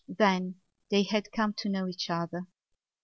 Then they had come to know each other.